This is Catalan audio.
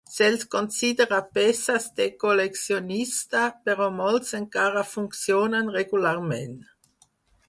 Se'ls considera peces de col·leccionista, però molts encara funcionen regularment.